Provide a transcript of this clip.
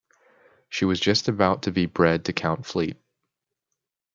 She was just about to be bred to Count Fleet.